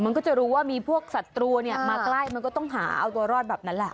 มันก็จะรู้ว่ามีพวกศัตรูเนี่ยมาใกล้มันก็ต้องหาเอาตัวรอดแบบนั้นแหละ